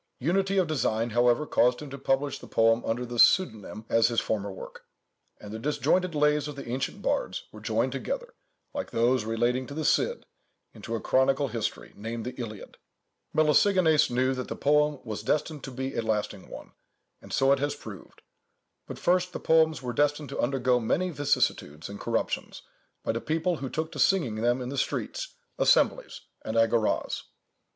Unity of design, however, caused him to publish the poem under the same pseudonyme as his former work: and the disjointed lays of the ancient bards were joined together, like those relating to the Cid, into a chronicle history, named the Iliad. Melesigenes knew that the poem was destined to be a lasting one, and so it has proved; but, first, the poems were destined to undergo many vicissitudes and corruptions, by the people who took to singing them in the streets, assemblies, and agoras.